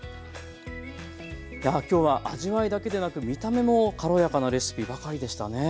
やあ今日は味わいだけでなく見た目も軽やかなレシピばかりでしたね。